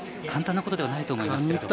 簡単なことではないと思いますね。